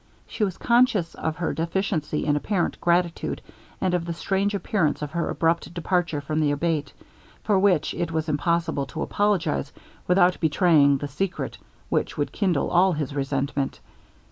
She was conscious of her deficiency in apparent gratitude, and of the strange appearance of her abrupt departure from the Abate, for which it was impossible to apologize, without betraying the secret, which would kindle all his resentment.